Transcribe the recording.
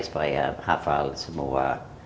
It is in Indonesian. sebaiknya hafal semua